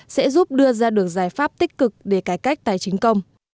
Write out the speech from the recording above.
sẽ giúp đưa ra được giải pháp tích cực để cải cách tài chính công